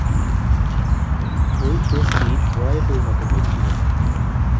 ঐ টেস্টটি ড্রয়ে পরিণত হয়েছিল।